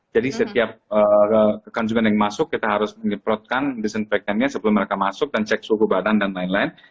jadi setiap konsumen yang masuk kita harus mengimprotkan disinfectant nya sebelum mereka masuk dan cek suhu badan dan lain lain